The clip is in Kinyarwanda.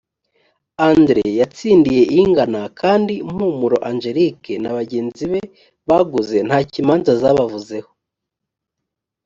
andre yatsindiye ingana kandi mpumuro angelique na bagenzi be baguze nta cyo imanza zabavuzeho